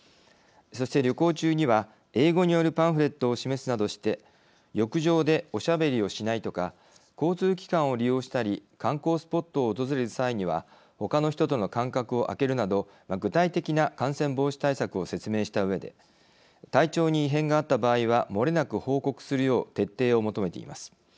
そして、旅行中には英語によるパンフレットを示すなどして浴場で、おしゃべりをしないとか交通機関を利用したり観光スポットを訪れる際にはほかの人との間隔をあけるなど具体的な感染防止対策を説明したうえで体調に異変があった場合はもれなく報告するよう徹底を求めています。